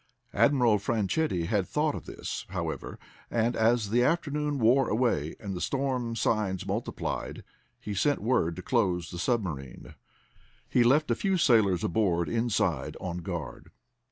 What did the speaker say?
Admiral Fanchetti had thought of this, however, and as the afternoon wore away and the storm signs multiplied, he sent word to close the submarine. He left a few sailors aboard inside on guard.